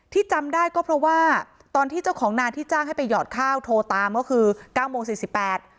ที่จำได้ก็เพราะว่าตอนที่เจ้าของนานที่จ้างให้ไปหยอดข้าวโทรตามก็คือ๙โมง๔๘